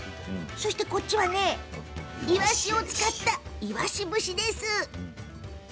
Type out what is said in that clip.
そして、こちらはイワシを使ったイワシ節です。